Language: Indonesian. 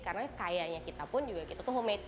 karena kayaknya kita pun juga itu homemade